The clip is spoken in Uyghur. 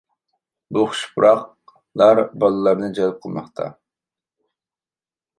بۇ خۇش پۇراقلار بالىلارنى جەلپ قىلماقتا.